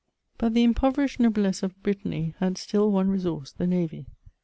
But the impoverished noblesse of Brittany had still one resource — the navy.